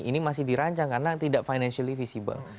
ini masih dirancang karena tidak financially visible